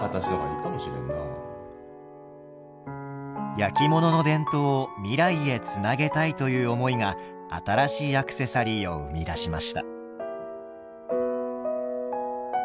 焼き物の伝統を未来へつなげたいという思いが新しいアクセサリーを生み出しました。